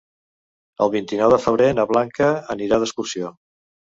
El vint-i-nou de febrer na Blanca anirà d'excursió.